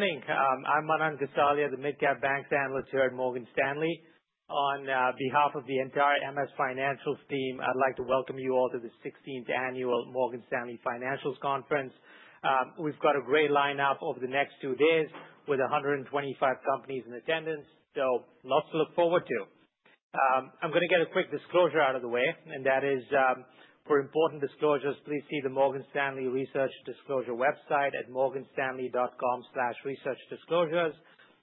Morning. I'm Manan Gosalia, the Midcap Bank's analyst here at Morgan Stanley. On behalf of the entire MS Financials team, I'd like to welcome you all to the 16th Annual Morgan Stanley Financials Conference. We've got a great lineup over the next two days with 125 companies in attendance, so lots to look forward to. I'm gonna get a quick disclosure out of the way, and that is, for important disclosures, please see the Morgan Stanley Research Disclosure website at morganstanley.com/researchdisclosures.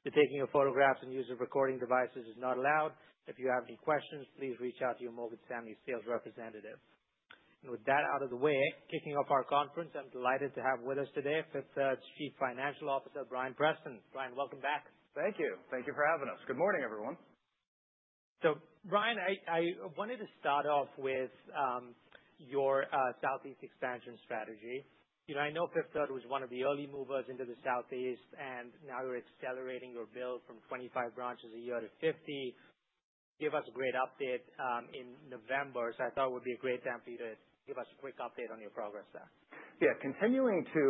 The taking of photographs and use of recording devices is not allowed. If you have any questions, please reach out to your Morgan Stanley sales representative. With that out of the way, kicking off our conference, I'm delighted to have with us today Fifth Third's Chief Financial Officer, Brian Preston. Brian, welcome back. Thank you. Thank you for having us. Good morning, everyone. Brian, I wanted to start off with your Southeast expansion strategy. You know, I know Fifth Third was one of the early movers into the Southeast, and now you're accelerating your build from 25 branches a year to 50. You gave us a great update in November, so I thought it would be a great time for you to give us a quick update on your progress there. Yeah. Continuing to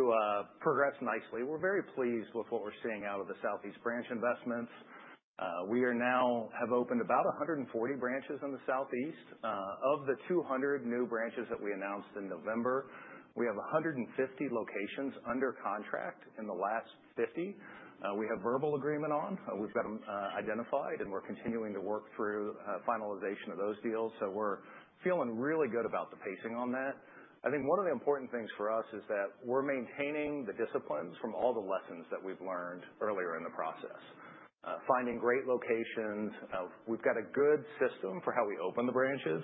progress nicely, we're very pleased with what we're seeing out of the Southeast branch investments. We now have opened about 140 branches in the Southeast. Of the 200 new branches that we announced in November, we have 150 locations under contract and the last 50 we have verbal agreement on. We've got them identified, and we're continuing to work through finalization of those deals, so we're feeling really good about the pacing on that. I think one of the important things for us is that we're maintaining the disciplines from all the lessons that we've learned earlier in the process, finding great locations. We've got a good system for how we open the branches,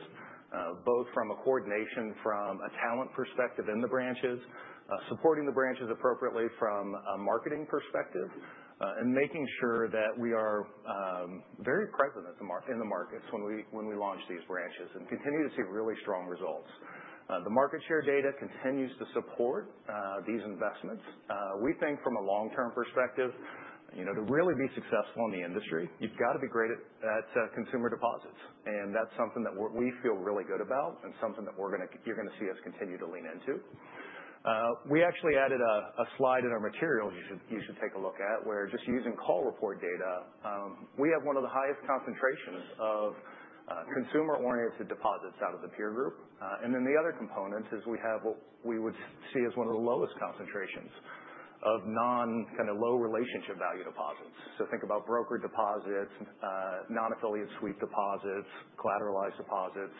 both from a coordination from a talent perspective in the branches, supporting the branches appropriately from a marketing perspective, and making sure that we are very present in the markets when we launch these branches and continue to see really strong results. The market share data continues to support these investments. We think from a long-term perspective, you know, to really be successful in the industry, you've gotta be great at, at consumer deposits, and that's something that we feel really good about and something that you're gonna see us continue to lean into. We actually added a slide in our materials you should take a look at where, just using call report data, we have one of the highest concentrations of consumer-oriented deposits out of the peer group. And then the other component is we have what we would see as one of the lowest concentrations of non, kind of low relationship value deposits. Think about broker deposits, non-affiliate sweep deposits, collateralized deposits.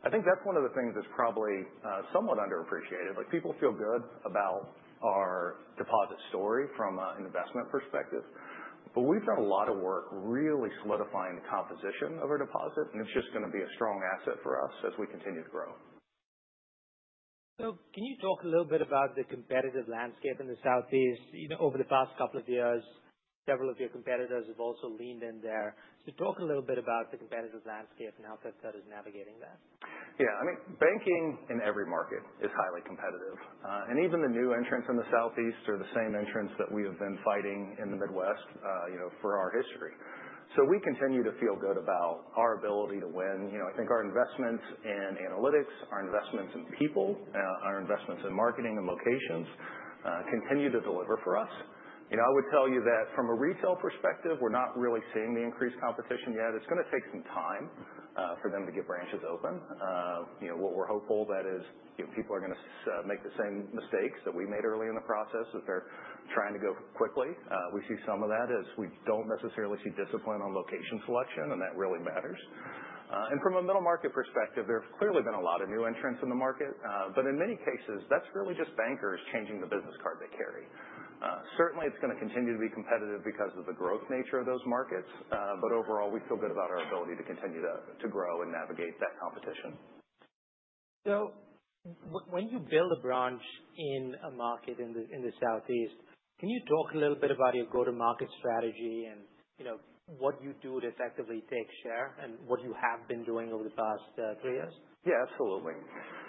I think that is one of the things that is probably somewhat underappreciated. People feel good about our deposit story from an investment perspective, but we have done a lot of work really solidifying the composition of our deposit, and it is just going to be a strong asset for us as we continue to grow. Can you talk a little bit about the competitive landscape in the Southeast? You know, over the past couple of years, several of your competitors have also leaned in there. Talk a little bit about the competitive landscape and how Fifth Third is navigating that. Yeah. I mean, banking in every market is highly competitive. Even the new entrants in the Southeast are the same entrants that we have been fighting in the Midwest, you know, for our history. We continue to feel good about our ability to win. You know, I think our investments in analytics, our investments in people, our investments in marketing and locations, continue to deliver for us. You know, I would tell you that from a retail perspective, we're not really seeing the increased competition yet. It's gonna take some time for them to get branches open. You know, what we're hopeful is that, you know, people are gonna make the same mistakes that we made early in the process as they're trying to go quickly. We see some of that as we don't necessarily see discipline on location selection, and that really matters. And from a middle market perspective, there have clearly been a lot of new entrants in the market, but in many cases, that's really just bankers changing the business card they carry. Certainly, it's gonna continue to be competitive because of the growth nature of those markets. Overall, we feel good about our ability to continue to grow and navigate that competition. When you build a branch in a market in the Southeast, can you talk a little bit about your go-to-market strategy and, you know, what you do to effectively take share and what you have been doing over the past three years? Yeah. Absolutely.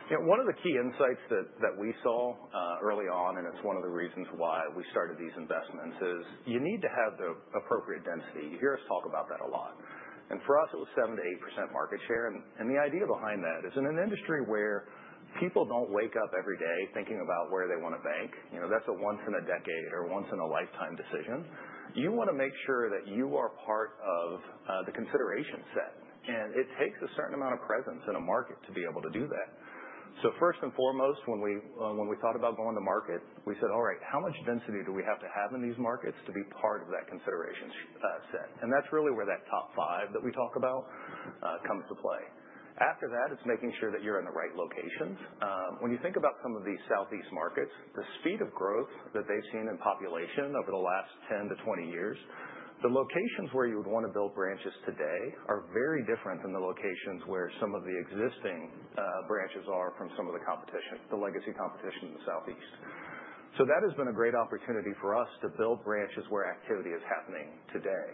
You know, one of the key insights that we saw early on, and it's one of the reasons why we started these investments, is you need to have the appropriate density. You hear us talk about that a lot. For us, it was 7-8% market share. The idea behind that is, in an industry where people do not wake up every day thinking about where they want to bank, you know, that's a once-in-a-decade or once-in-a-lifetime decision. You want to make sure that you are part of the consideration set, and it takes a certain amount of presence in a market to be able to do that. First and foremost, when we thought about going to market, we said, "All right. How much density do we have to have in these markets to be part of that consideration set? That is really where that top five that we talk about comes to play. After that, it is making sure that you are in the right locations. When you think about some of these Southeast markets, the speed of growth that they have seen in population over the last 10 to 20 years, the locations where you would want to build branches today are very different than the locations where some of the existing branches are from some of the competition, the legacy competition in the Southeast. That has been a great opportunity for us to build branches where activity is happening today.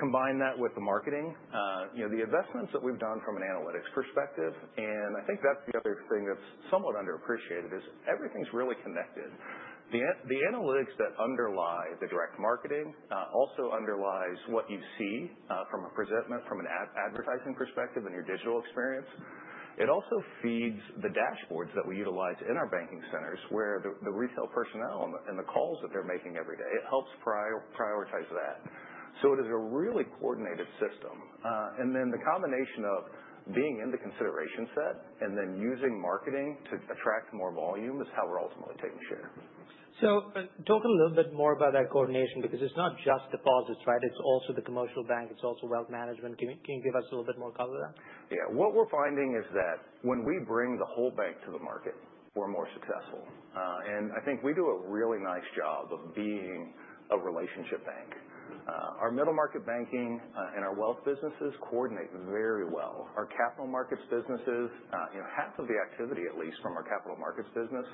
Combine that with the marketing, you know, the investments that we have done from an analytics perspective. I think that is the other thing that is somewhat underappreciated is everything is really connected. The analytics that underlie the direct marketing also underlie what you see from a presentment, from an advertising perspective in your digital experience. It also feeds the dashboards that we utilize in our banking centers where the retail personnel and the calls that they're making every day. It helps prioritize that. It is a really coordinated system. The combination of being in the consideration set and then using marketing to attract more volume is how we're ultimately taking share. Talk a little bit more about that coordination because it's not just deposits, right? It's also the commercial bank. It's also wealth management. Can you give us a little bit more color on that? Yeah. What we're finding is that when we bring the whole bank to the market, we're more successful. I think we do a really nice job of being a relationship bank. Our middle market banking and our wealth businesses coordinate very well. Our capital markets businesses, you know, half of the activity, at least, from our capital markets business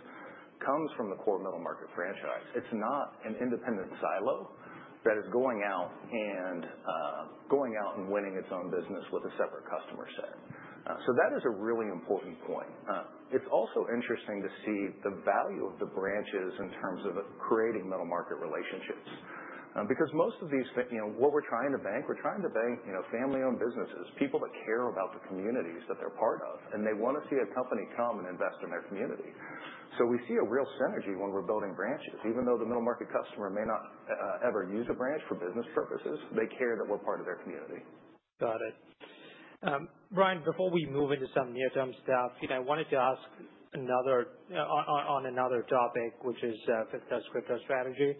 comes from the core middle market franchise. It's not an independent silo that is going out and winning its own business with a separate customer set. That is a really important point. It's also interesting to see the value of the branches in terms of creating middle market relationships, because most of these, you know, what we're trying to bank, we're trying to bank, you know, family-owned businesses, people that care about the communities that they're part of, and they want to see a company come and invest in their community. We see a real synergy when we're building branches. Even though the middle market customer may not ever use a branch for business purposes, they care that we're part of their community. Got it. Brian, before we move into some near-term stuff, you know, I wanted to ask another on, on another topic, which is, Fifth Third's crypto strategy.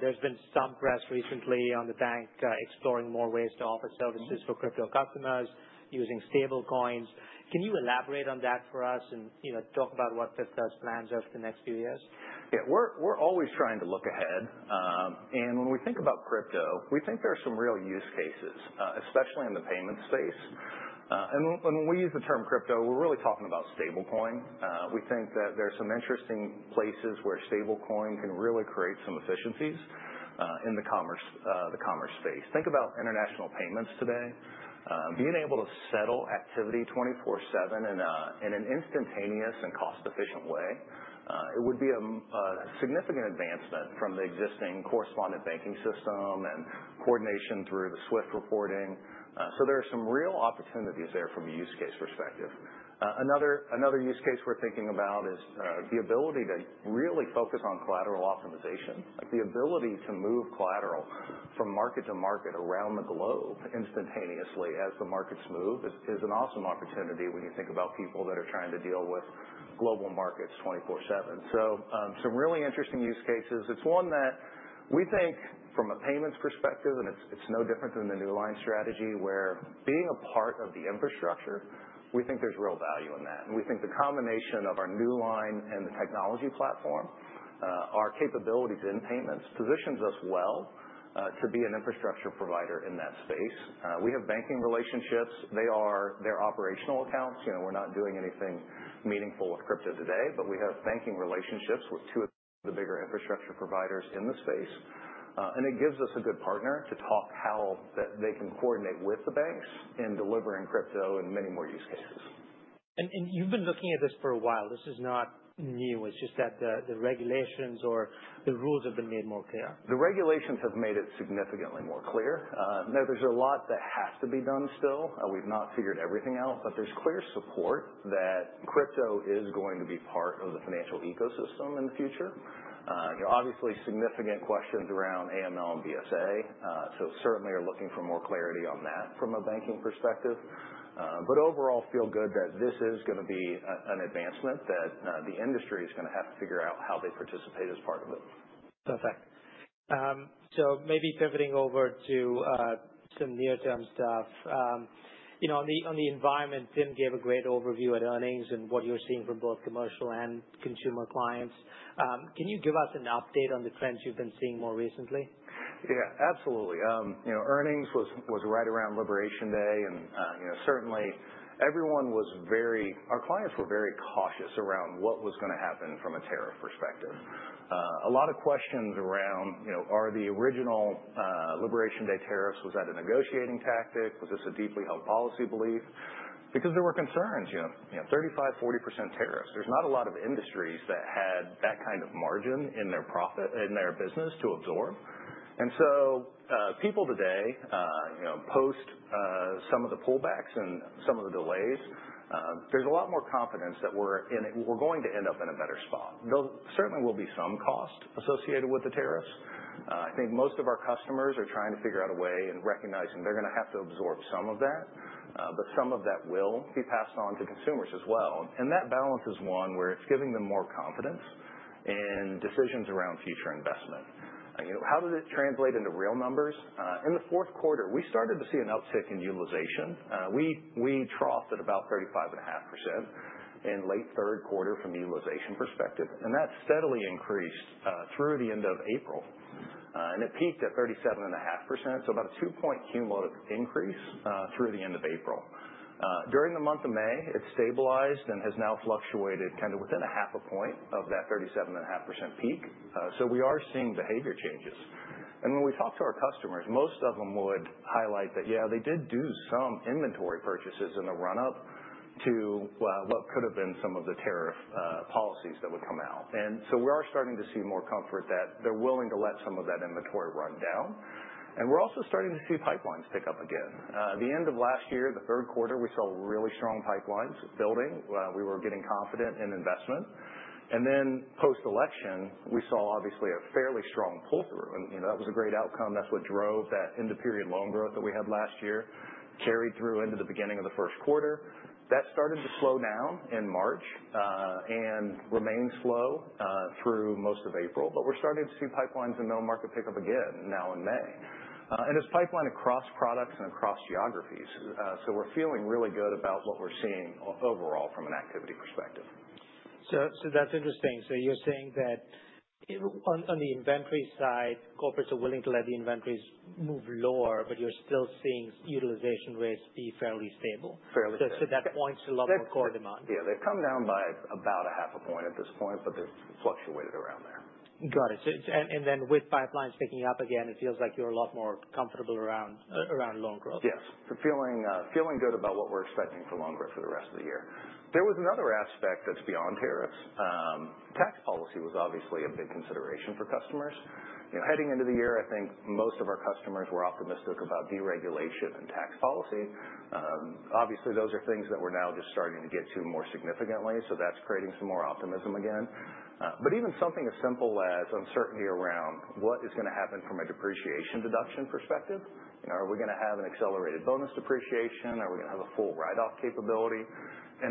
There's been some press recently on the bank, exploring more ways to offer services for crypto customers using stablecoins. Can you elaborate on that for us and, you know, talk about what Fifth Third's plans are for the next few years? Yeah. We're always trying to look ahead, and when we think about crypto, we think there are some real use cases, especially in the payment space. And when we use the term crypto, we're really talking about stablecoin. We think that there are some interesting places where stablecoin can really create some efficiencies in the commerce space. Think about international payments today. Being able to settle activity 24/7 in an instantaneous and cost-efficient way, it would be a significant advancement from the existing correspondent banking system and coordination through the SWIFT reporting. There are some real opportunities there from a use case perspective. Another use case we're thinking about is the ability to really focus on collateral optimization, like the ability to move collateral from market to market around the globe instantaneously as the markets move is an awesome opportunity when you think about people that are trying to deal with global markets 24/7. Some really interesting use cases. It's one that we think from a payments perspective, and it's no different than the Newline strategy where being a part of the infrastructure, we think there's real value in that. We think the combination of our Newline and the technology platform, our capabilities in payments positions us well to be an infrastructure provider in that space. We have banking relationships. They are their operational accounts. You know, we're not doing anything meaningful with crypto today, but we have banking relationships with two of the bigger infrastructure providers in the space. It gives us a good partner to talk about how they can coordinate with the banks in delivering crypto and many more use cases. You've been looking at this for a while. This is not new. It's just that the regulations or the rules have been made more clear. The regulations have made it significantly more clear. Now, there's a lot that has to be done still. We've not figured everything out, but there's clear support that crypto is going to be part of the financial ecosystem in the future. You know, obviously, significant questions around AML and BSA. Certainly are looking for more clarity on that from a banking perspective. Overall, feel good that this is gonna be an advancement that the industry is gonna have to figure out how they participate as part of it. Perfect. So maybe pivoting over to some near-term stuff. You know, on the environment, Tim gave a great overview at earnings and what you're seeing from both commercial and consumer clients. Can you give us an update on the trends you've been seeing more recently? Yeah. Absolutely. You know, earnings was right around liberation day, and, you know, certainly, everyone was very, our clients were very cautious around what was gonna happen from a tariff perspective. A lot of questions around, you know, are the original liberation day tariffs, was that a negotiating tactic? Was this a deeply held policy belief? Because there were concerns, you know, 35-40% tariffs. There is not a lot of industries that had that kind of margin in their profit in their business to absorb. People today, you know, post some of the pullbacks and some of the delays, there is a lot more confidence that we are in a, we are going to end up in a better spot. There certainly will be some cost associated with the tariffs. I think most of our customers are trying to figure out a way and recognizing they're gonna have to absorb some of that, but some of that will be passed on to consumers as well. That balance is one where it's giving them more confidence in decisions around future investment. You know, how did it translate into real numbers? In the fourth quarter, we started to see an uptick in utilization. We troughed at about 35.5% in late third quarter from a utilization perspective, and that steadily increased through the end of April. It peaked at 37.5%, so about a two-point cumulative increase through the end of April. During the month of May, it stabilized and has now fluctuated within a half a point of that 37.5% peak. We are seeing behavior changes. When we talk to our customers, most of them would highlight that, yeah, they did do some inventory purchases in the run-up to what could have been some of the tariff policies that would come out. We are starting to see more comfort that they're willing to let some of that inventory run down. We're also starting to see pipelines pick up again. At the end of last year, the third quarter, we saw really strong pipelines building. We were getting confident in investment. Post-election, we saw, obviously, a fairly strong pull-through. You know, that was a great outcome. That's what drove that end-of-period loan growth that we had last year, carried through into the beginning of the first quarter. That started to slow down in March, and remained slow through most of April, but we're starting to see pipelines in middle market pick up again now in May. It's pipeline across products and across geographies, so we're feeling really good about what we're seeing overall from an activity perspective. That's interesting. You're saying that, you know, on the inventory side, corporates are willing to let the inventories move lower, but you're still seeing utilization rates be fairly stable. Fairly stable. That points to a lot more core demand. Fairly stable. Yeah. They've come down by about half a point at this point, but they've fluctuated around there. Got it. So it's, and then with pipelines picking up again, it feels like you're a lot more comfortable around loan growth. Yes. Feeling good about what we're expecting for loan growth for the rest of the year. There was another aspect that's beyond tariffs. Tax policy was obviously a big consideration for customers. You know, heading into the year, I think most of our customers were optimistic about deregulation and tax policy. Obviously, those are things that we're now just starting to get to more significantly. That is creating some more optimism again. Even something as simple as uncertainty around what is gonna happen from a depreciation deduction perspective. You know, are we gonna have an accelerated bonus depreciation? Are we gonna have a full write-off capability?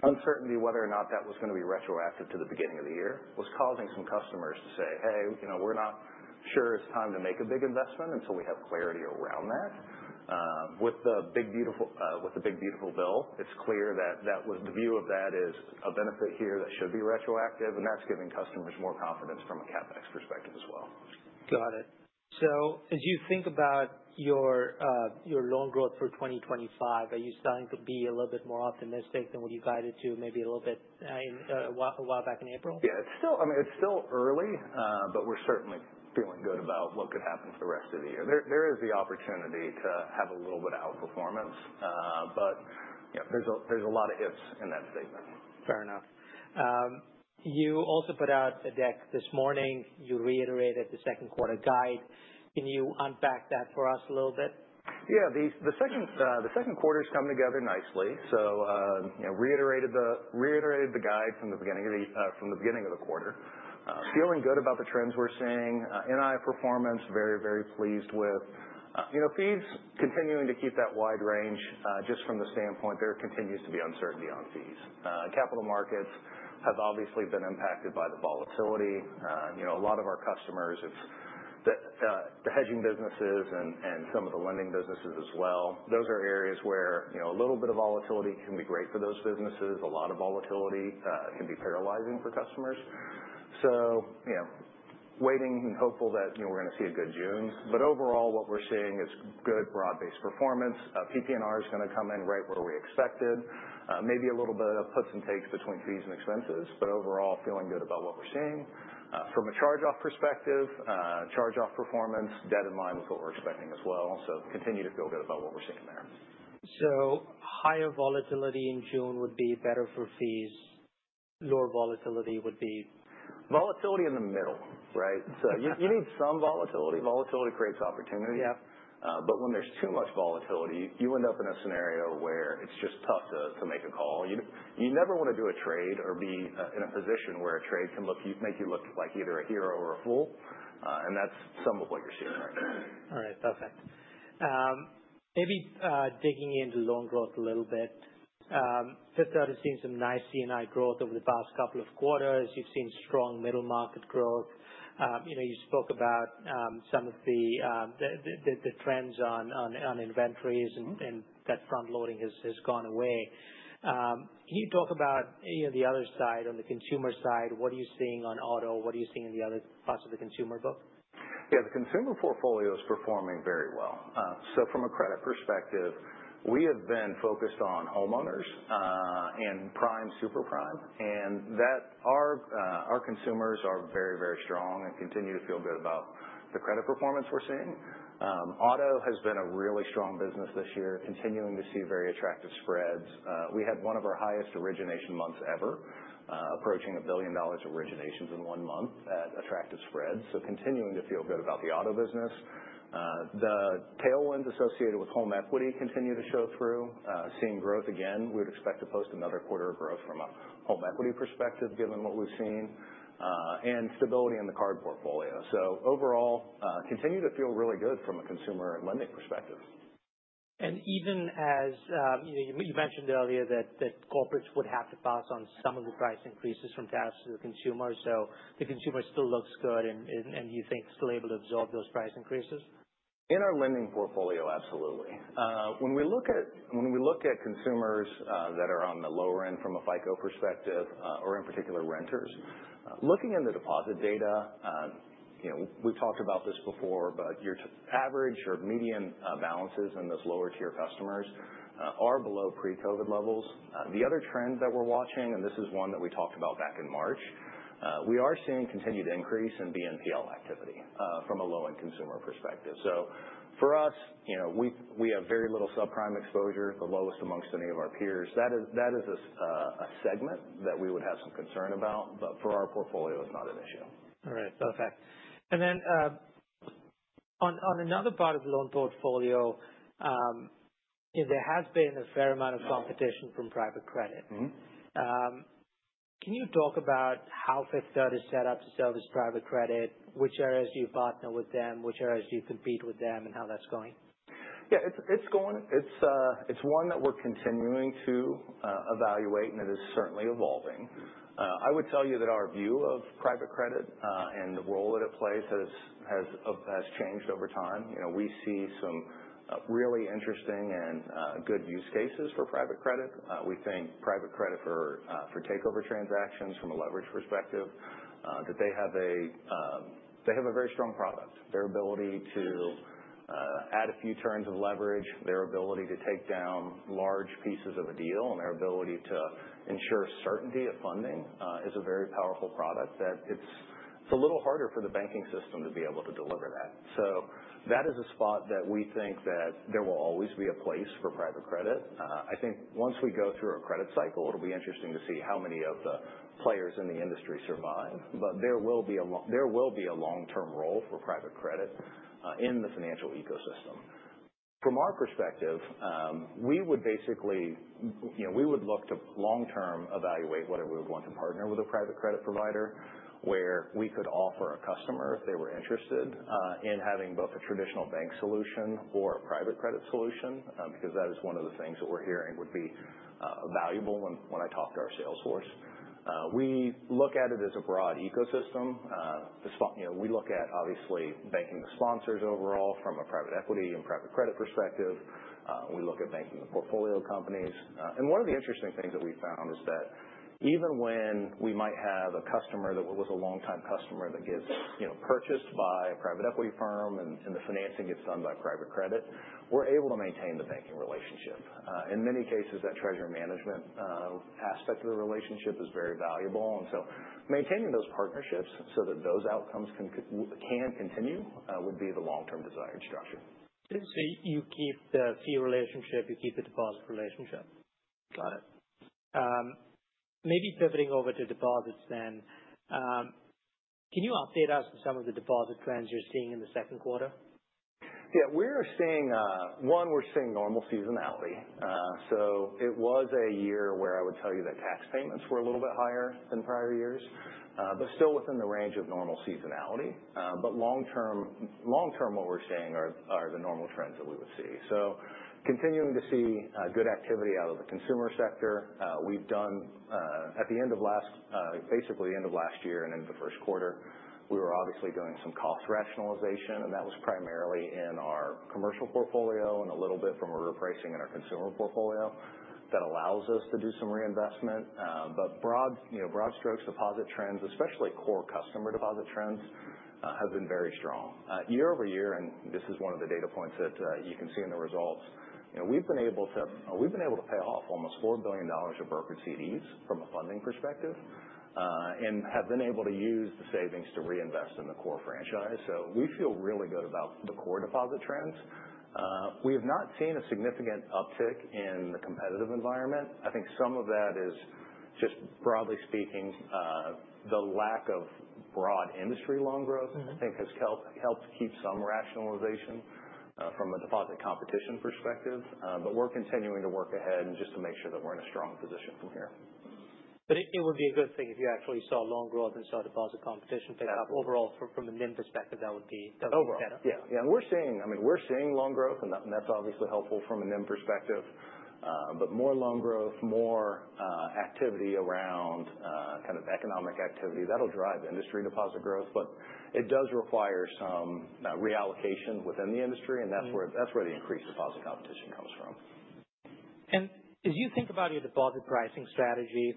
Uncertainty whether or not that was gonna be retroactive to the beginning of the year was causing some customers to say, "Hey, you know, we're not sure it's time to make a big investment until we have clarity around that." With the Big, Beautiful Bill, it's clear that that was the view of that is a benefit here that should be retroactive, and that's giving customers more confidence from a CapEx perspective as well. Got it. As you think about your loan growth for 2025, are you starting to be a little bit more optimistic than what you guided to maybe a little bit, in a while, a while back in April? Yeah. It's still, I mean, it's still early, but we're certainly feeling good about what could happen for the rest of the year. There is the opportunity to have a little bit of outperformance, but, you know, there's a lot of ifs in that statement. Fair enough. You also put out a deck this morning. You reiterated the second quarter guide. Can you unpack that for us a little bit? Yeah. The second quarter's come together nicely. So, you know, reiterated the guide from the beginning of the quarter. Feeling good about the trends we're seeing. NI performance, very, very pleased with. You know, fees continuing to keep that wide range, just from the standpoint there continues to be uncertainty on fees. Capital markets have obviously been impacted by the volatility. You know, a lot of our customers, it's the hedging businesses and some of the lending businesses as well. Those are areas where, you know, a little bit of volatility can be great for those businesses. A lot of volatility can be paralyzing for customers. So, you know, waiting and hopeful that, you know, we're gonna see a good June. But overall, what we're seeing is good broad-based performance. PP&R is gonna come in right where we expected. Maybe a little bit of puts and takes between fees and expenses, but overall, feeling good about what we're seeing. From a charge-off perspective, charge-off performance, dead in line with what we're expecting as well. Continue to feel good about what we're seeing there. So higher volatility in June would be better for fees. Lower volatility would be? Volatility in the middle, right? You need some volatility. Volatility creates opportunity. Yep. When there's too much volatility, you end up in a scenario where it's just tough to make a call. You never wanna do a trade or be in a position where a trade can make you look like either a hero or a fool. That's some of what you're seeing right now. All right. Perfect. Maybe, digging into loan growth a little bit. Fifth Third has seen some nice C&I growth over the past couple of quarters. You've seen strong middle market growth. You know, you spoke about some of the trends on inventories, and that front-loading has gone away. Can you talk about, you know, the other side on the consumer side? What are you seeing on auto? What are you seeing in the other parts of the consumer book? Yeah. The consumer portfolio is performing very well. So from a credit perspective, we have been focused on homeowners, and prime, super prime. Our consumers are very, very strong and continue to feel good about the credit performance we're seeing. Auto has been a really strong business this year, continuing to see very attractive spreads. We had one of our highest origination months ever, approaching $1 billion originations in one month at attractive spreads. Continuing to feel good about the auto business. The tailwinds associated with home equity continue to show through. Seeing growth again. We would expect to post another quarter of growth from a home equity perspective given what we've seen, and stability in the card portfolio. Overall, continue to feel really good from a consumer and lending perspective. Even as, you know, you mentioned earlier that corporates would have to pass on some of the price increases from tariffs to the consumers. The consumer still looks good, and you think still able to absorb those price increases? In our lending portfolio, absolutely. When we look at consumers that are on the lower end from a FICO perspective, or in particular renters, looking at the deposit data, you know, we've talked about this before, but your average or median balances in those lower-tier customers are below pre-COVID levels. The other trend that we're watching, and this is one that we talked about back in March, we are seeing continued increase in BNPL activity from a low-end consumer perspective. For us, you know, we have very little subprime exposure, the lowest amongst any of our peers. That is a segment that we would have some concern about, but for our portfolio, it's not an issue. All right. Perfect. Then, on another part of the loan portfolio, you know, there has been a fair amount of competition from private credit. Mm-hmm. Can you talk about how Fifth Third is set up to service private credit? Which areas do you partner with them? Which areas do you compete with them, and how that's going? Yeah. It's going, it's one that we're continuing to evaluate, and it is certainly evolving. I would tell you that our view of private credit, and the role that it plays, has changed over time. You know, we see some really interesting and good use cases for private credit. We think private credit for takeover transactions from a leverage perspective, that they have a very strong product. Their ability to. Mm-hmm. Add a few turns of leverage, their ability to take down large pieces of a deal, and their ability to ensure certainty of funding, is a very powerful product that it's a little harder for the banking system to be able to deliver that. That is a spot that we think that there will always be a place for private credit. I think once we go through a credit cycle, it'll be interesting to see how many of the players in the industry survive, but there will be a long-term role for private credit in the financial ecosystem. From our perspective, we would basically, you know, we would look to long-term evaluate whether we would want to partner with a private credit provider where we could offer a customer if they were interested, in having both a traditional bank solution or a private credit solution, because that is one of the things that we're hearing would be valuable when, when I talk to our salesforce. We look at it as a broad ecosystem. The, you know, we look at, obviously, banking the sponsors overall from a private equity and private credit perspective. We look at banking the portfolio companies. One of the interesting things that we found is that even when we might have a customer that was a long-time customer that gets, you know, purchased by a private equity firm and the financing gets done by private credit, we're able to maintain the banking relationship. In many cases, that treasury management aspect of the relationship is very valuable. Maintaining those partnerships so that those outcomes can continue would be the long-term desired structure. You keep the fee relationship, you keep the deposit relationship. Got it. Maybe pivoting over to deposits then, can you update us with some of the deposit trends you're seeing in the second quarter? Yeah. We're seeing, one, we're seeing normal seasonality. It was a year where I would tell you that tax payments were a little bit higher than prior years, but still within the range of normal seasonality. Long-term, long-term, what we're seeing are the normal trends that we would see. Continuing to see good activity out of the consumer sector. We've done, at the end of last, basically the end of last year and into the first quarter, we were obviously doing some cost rationalization, and that was primarily in our commercial portfolio and a little bit from our repricing in our consumer portfolio that allows us to do some reinvestment. Broad, you know, broad strokes, deposit trends, especially core customer deposit trends, have been very strong year over year, and this is one of the data points that you can see in the results. You know, we've been able to pay off almost $4 billion of brokered CDs from a funding perspective, and have been able to use the savings to reinvest in the core franchise. So we feel really good about the core deposit trends. We have not seen a significant uptick in the competitive environment. I think some of that is just broadly speaking, the lack of broad industry loan growth. Mm-hmm. I think has helped keep some rationalization, from a deposit competition perspective. We're continuing to work ahead just to make sure that we're in a strong position from here. It would be a good thing if you actually saw loan growth and saw deposit competition pick up. Yeah. Overall, from a NIM perspective, that would be, that would be better. Overall. Yeah. Yeah. And we're seeing, I mean, we're seeing loan growth, and that's obviously helpful from a NIM perspective. More loan growth, more activity around, kind of economic activity, that'll drive industry deposit growth. It does require some reallocation within the industry, and that's where the increased deposit competition comes from. As you think about your deposit pricing strategy,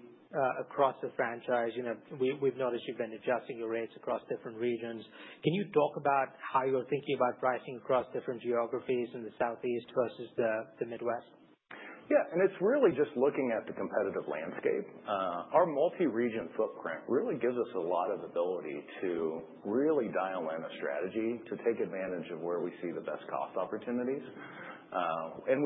across the franchise, you know, we've noticed you've been adjusting your rates across different regions. Can you talk about how you're thinking about pricing across different geographies in the Southeast versus the Midwest? Yeah. It is really just looking at the competitive landscape. Our multi-region footprint really gives us a lot of ability to really dial in a strategy to take advantage of where we see the best cost opportunities.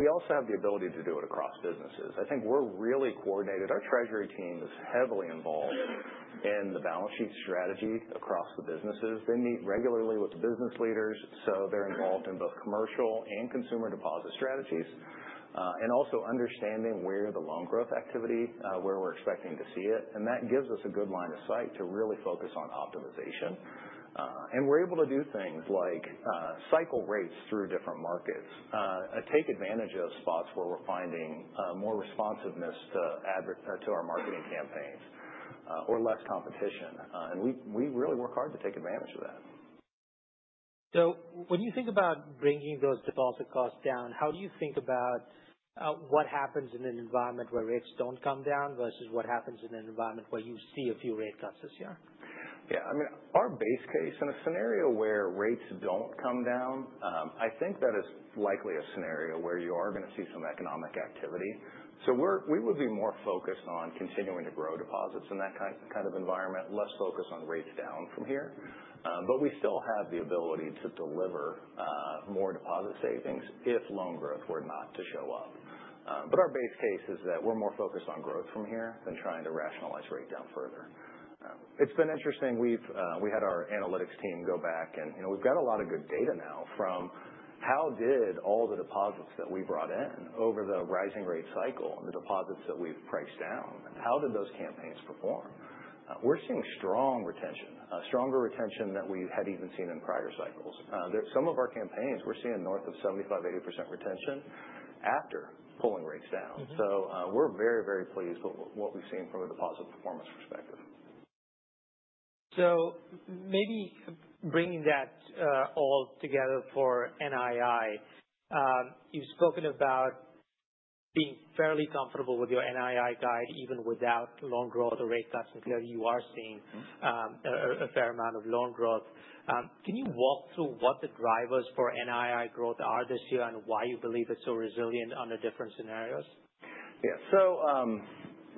We also have the ability to do it across businesses. I think we are really coordinated. Our treasury team is heavily involved in the balance sheet strategy across the businesses. They meet regularly with the business leaders, so they are involved in both commercial and consumer deposit strategies, and also understanding where the loan growth activity, where we are expecting to see it. That gives us a good line of sight to really focus on optimization. We are able to do things like cycle rates through different markets, take advantage of spots where we are finding more responsiveness to our marketing campaigns, or less competition. We really work hard to take advantage of that. When you think about bringing those deposit costs down, how do you think about what happens in an environment where rates do not come down versus what happens in an environment where you see a few rate cuts this year? Yeah. I mean, our base case in a scenario where rates do not come down, I think that is likely a scenario where you are gonna see some economic activity. We would be more focused on continuing to grow deposits in that kind of environment, less focused on rates down from here. We still have the ability to deliver more deposit savings if loan growth were not to show up. Our base case is that we are more focused on growth from here than trying to rationalize rate down further. It has been interesting. We had our analytics team go back, and, you know, we have got a lot of good data now from how did all the deposits that we brought in over the rising rate cycle and the deposits that we have priced down, how did those campaigns perform? We're seeing strong retention, stronger retention than we had even seen in prior cycles. There, some of our campaigns, we're seeing north of 75-80% retention after pulling rates down. Mm-hmm. We're very, very pleased with what we've seen from a deposit performance perspective. Maybe bringing that all together for NII, you've spoken about being fairly comfortable with your NII guide even without loan growth or rate cuts, and clearly you are seeing. Mm-hmm. A fair amount of loan growth. Can you walk through what the drivers for NII growth are this year and why you believe it's so resilient under different scenarios? Yeah. So,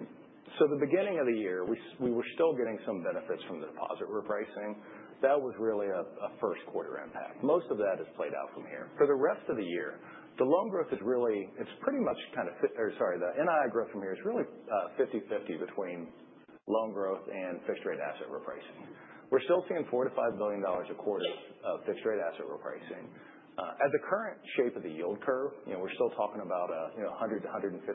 at the beginning of the year, we were still getting some benefits from the deposit repricing. That was really a first quarter impact. Most of that has played out from here. For the rest of the year, the loan growth is really, it's pretty much kind of, or sorry, the NII growth from here is really 50/50 between loan growth and fixed-rate asset repricing. We're still seeing $4 billion to $5 billion a quarter of fixed-rate asset repricing. At the current shape of the yield curve, you know, we're still talking about, you know, 100-150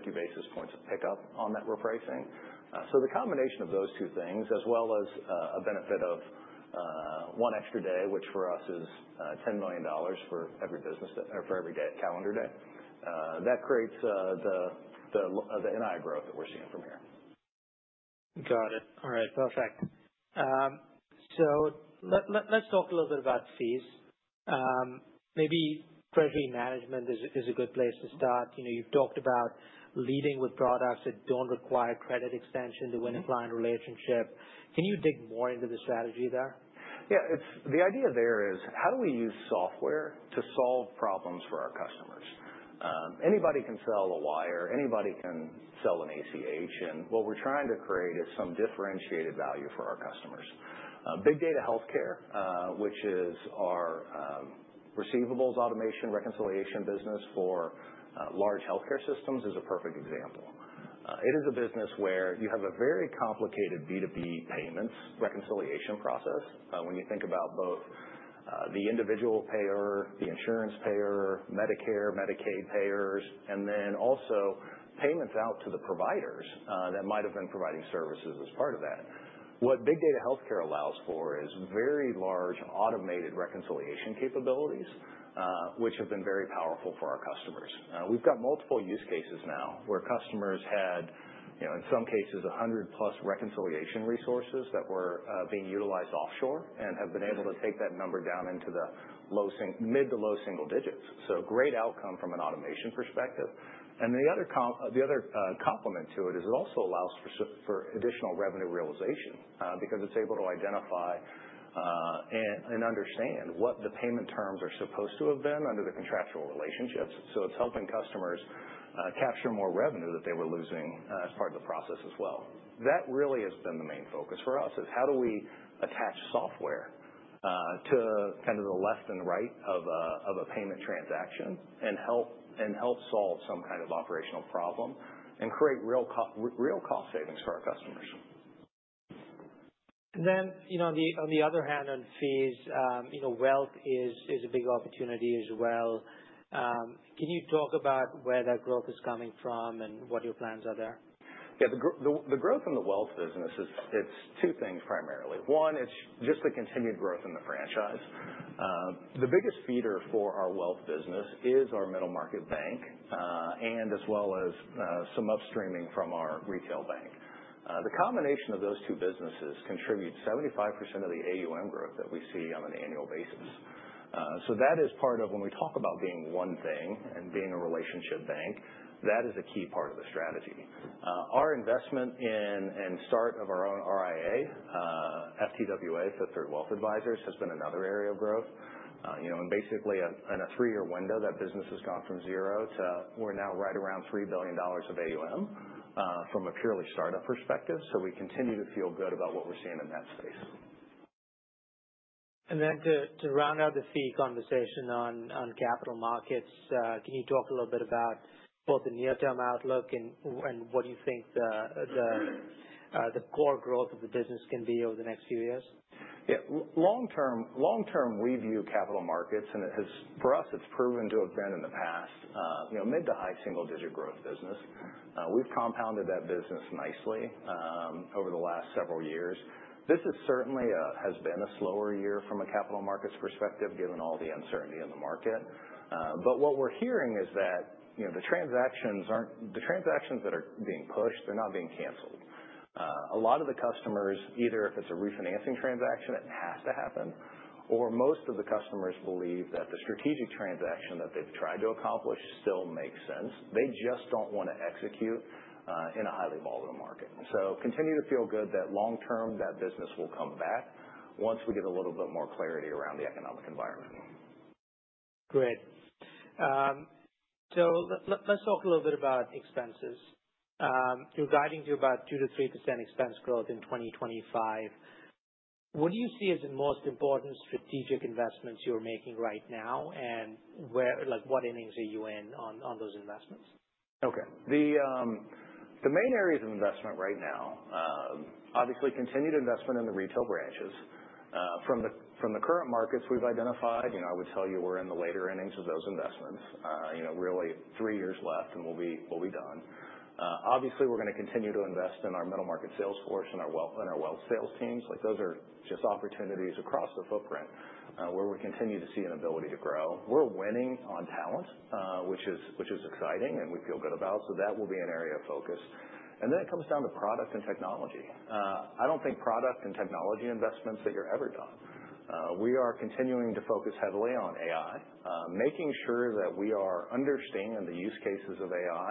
basis points of pickup on that repricing. The combination of those two things, as well as a benefit of one extra day, which for us is $10 million for every business day or for every calendar day, that creates the NII growth that we're seeing from here. Got it. All right. Perfect. Let's talk a little bit about fees. Maybe treasury management is a good place to start. You know, you've talked about leading with products that don't require credit extension to win a client relationship. Can you dig more into the strategy there? Yeah. It's the idea there is how do we use software to solve problems for our customers? Anybody can sell a wire. Anybody can sell an ACH. What we're trying to create is some differentiated value for our customers. Big Data Healthcare, which is our receivables automation reconciliation business for large healthcare systems, is a perfect example. It is a business where you have a very complicated B2B payments reconciliation process. When you think about both the individual payer, the insurance payer, Medicare, Medicaid payers, and then also payments out to the providers that might have been providing services as part of that. What Big Data Healthcare allows for is very large automated reconciliation capabilities, which have been very powerful for our customers. We've got multiple use cases now where customers had, you know, in some cases, 100-plus reconciliation resources that were being utilized offshore and have been able to take that number down into the mid to low single-digits. Great outcome from an automation perspective. The other complement to it is it also allows for additional revenue realization, because it's able to identify and understand what the payment terms are supposed to have been under the contractual relationships. It's helping customers capture more revenue that they were losing as part of the process as well. That really has been the main focus for us is how do we attach software to kind of the left and right of a payment transaction and help solve some kind of operational problem and create real cost savings for our customers. You know, on the other hand, on fees, you know, wealth is a big opportunity as well. Can you talk about where that growth is coming from and what your plans are there? Yeah. The growth in the wealth business is, it's two things primarily. One, it's just the continued growth in the franchise. The biggest feeder for our wealth business is our middle market bank, and as well as some upstreaming from our retail bank. The combination of those two businesses contributes 75% of the AUM growth that we see on an annual basis. That is part of when we talk about being one thing and being a relationship bank, that is a key part of the strategy. Our investment in and start of our own RIA, FTWA, Fifth Third Wealth Advisors, has been another area of growth. You know, and basically, in a three-year window, that business has gone from zero to we're now right around $3 billion of AUM, from a purely startup perspective. We continue to feel good about what we're seeing in that space. To round out the fee conversation on capital markets, can you talk a little bit about both the near-term outlook and what you think the core growth of the business can be over the next few years? Yeah. Long-term, long-term, we view capital markets, and it has for us, it's proven to have been in the past, you know, mid to high single-digit growth business. We've compounded that business nicely over the last several years. This is certainly a has been a slower year from a capital markets perspective given all the uncertainty in the market. What we're hearing is that, you know, the transactions aren't, the transactions that are being pushed, they're not being canceled. A lot of the customers, either if it's a refinancing transaction, it has to happen, or most of the customers believe that the strategic transaction that they've tried to accomplish still makes sense. They just don't wanna execute in a highly volatile market. Continue to feel good that long-term, that business will come back once we get a little bit more clarity around the economic environment. Great. Let's talk a little bit about expenses. You're guiding to about 2-3% expense growth in 2025. What do you see as the most important strategic investments you're making right now, and where, like, what innings are you in on those investments? Okay. The main areas of investment right now, obviously continued investment in the retail branches. From the current markets we've identified, you know, I would tell you we're in the later innings of those investments. You know, really three years left, and we'll be done. Obviously, we're gonna continue to invest in our middle market sales force and our wealth and our wealth sales teams. Like, those are just opportunities across the footprint, where we continue to see an ability to grow. We're winning on talent, which is exciting, and we feel good about. That will be an area of focus. It comes down to product and technology. I don't think product and technology investments that you're ever done. We are continuing to focus heavily on AI, making sure that we are understanding the use cases of AI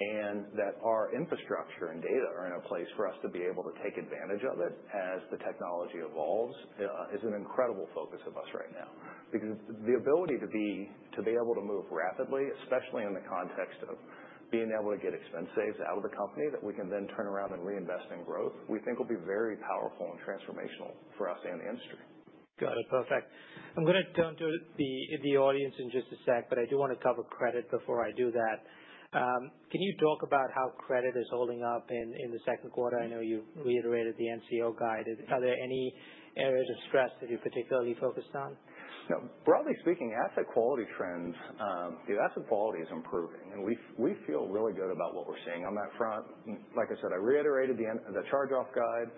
and that our infrastructure and data are in a place for us to be able to take advantage of it as the technology evolves. It is an incredible focus of us right now because the ability to be, to be able to move rapidly, especially in the context of being able to get expense saves out of the company that we can then turn around and reinvest in growth, we think will be very powerful and transformational for us and the industry. Got it. Perfect. I'm gonna turn to the audience in just a sec, but I do wanna cover credit before I do that. Can you talk about how credit is holding up in the second quarter? I know you've reiterated the NCO guide. Are there any areas of stress that you're particularly focused on? Yeah. Broadly speaking, asset quality trends, the asset quality is improving, and we feel really good about what we're seeing on that front. Like I said, I reiterated the Charge-off guide.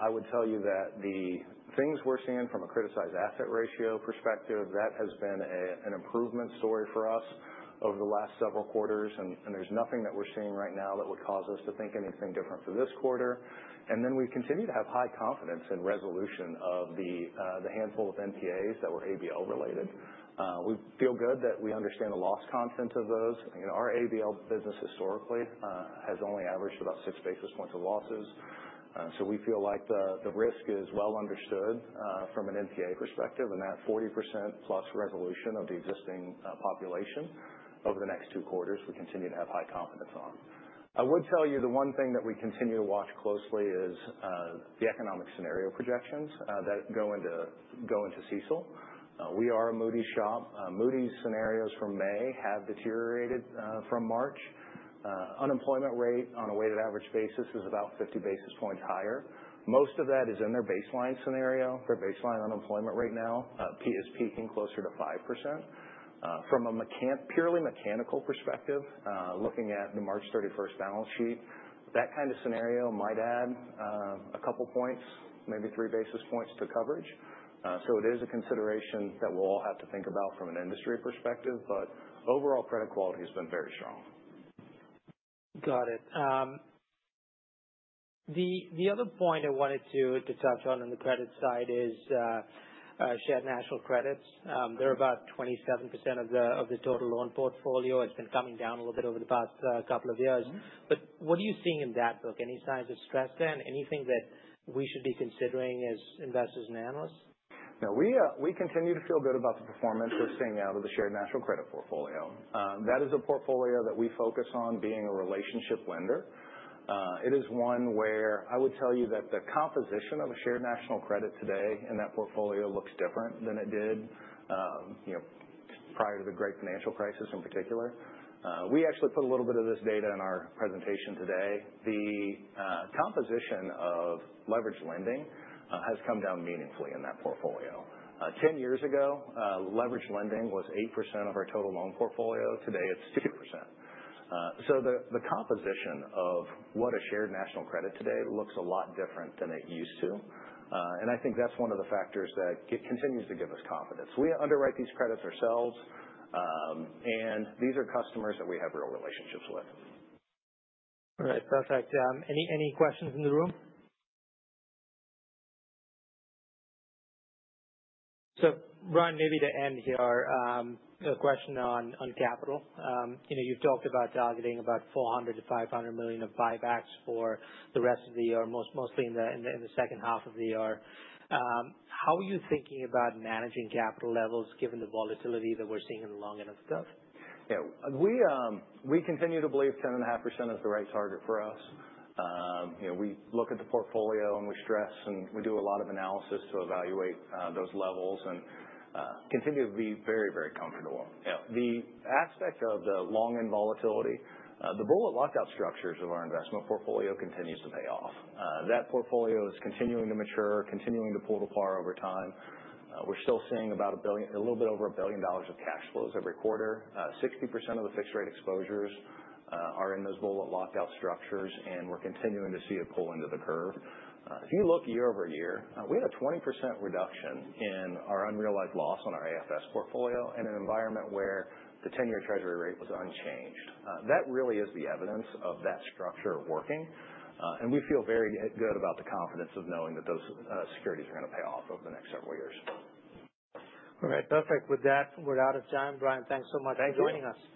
I would tell you that the things we're seeing from a criticized asset ratio perspective, that has been an improvement story for us over the last several quarters. There's nothing that we're seeing right now that would cause us to think anything different for this quarter. We continue to have high confidence in resolution of the handful of NPAs that were ABL-related. We feel good that we understand the loss content of those. You know, our ABL business historically has only averaged about six basis points of losses. We feel like the risk is well understood, from an NPA perspective, and that 40%-plus resolution of the existing population over the next two quarters, we continue to have high confidence on. I would tell you the one thing that we continue to watch closely is the economic scenario projections that go into CECL. We are a Moody's shop. Moody's scenarios from May have deteriorated from March. Unemployment rate on a weighted average basis is about 50 basis points higher. Most of that is in their baseline scenario. Their baseline unemployment right now is peaking closer to 5%. From a purely mechanical perspective, looking at the March 31 balance sheet, that kind of scenario might add a couple points, maybe three basis points to coverage. It is a consideration that we'll all have to think about from an industry perspective, but overall, credit quality has been very strong. Got it. The other point I wanted to touch on on the credit side is shared national credits. They're about 27% of the total loan portfolio. It's been coming down a little bit over the past couple of years. What are you seeing in that book? Any signs of stress there and anything that we should be considering as investors and analysts? No, we continue to feel good about the performance we're seeing out of the shared national credit portfolio. That is a portfolio that we focus on being a relationship lender. It is one where I would tell you that the composition of a shared national credit today in that portfolio looks different than it did, you know, prior to the great financial crisis in particular. We actually put a little bit of this data in our presentation today. The composition of leveraged lending has come down meaningfully in that portfolio. Ten years ago, leveraged lending was 8% of our total loan portfolio. Today, it's 2%. The composition of what a shared national credit today looks a lot different than it used to. I think that's one of the factors that continues to give us confidence. We underwrite these credits ourselves, and these are customers that we have real relationships with. All right. Perfect. Any, any questions in the room? So Brain, maybe to end here, a question on, on capital. You know, you've talked about targeting about $400 million-$500 million of buybacks for the rest of the year, mostly in the, in the, in the second half of the year. How are you thinking about managing capital levels given the volatility that we're seeing in the long end of the curve? Yeah. We continue to believe 10.5% is the right target for us. You know, we look at the portfolio and we stress, and we do a lot of analysis to evaluate those levels and continue to be very, very comfortable. Yeah. The aspect of the long-end volatility, the bullet lockout structures of our investment portfolio continues to pay off. That portfolio is continuing to mature, continuing to pull to par over time. We're still seeing about $1 billion, a little bit over $1 billion of cash flows every quarter. 60% of the fixed-rate exposures are in those bullet lockout structures, and we're continuing to see it pull into the curve. If you look year over year, we had a 20% reduction in our unrealized loss on our AFS portfolio in an environment where the 10-year treasury rate was unchanged. That really is the evidence of that structure working. And we feel very good about the confidence of knowing that those securities are gonna pay off over the next several years. All right. Perfect. With that, we're out of time. Brian, thanks so much for joining us. Thank you.